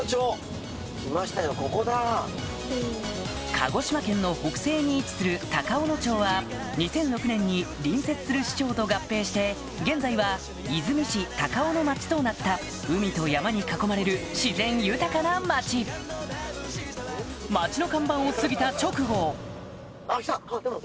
鹿児島県の北西に位置する高尾野町は２００６年に隣接する市町と合併して現在は出水市高尾野町となった海と山に囲まれる自然豊かな町えっと。